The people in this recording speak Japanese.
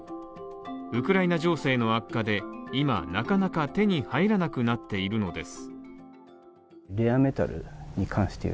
ウクライナ情勢の悪化で、今、なかなか手に入らなくなっているのです。